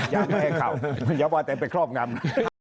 ยังไม่ให้เข้ายังว่าแต่เป็นครอบน้ำ